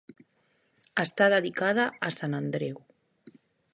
Està dedicada a sant Andreu.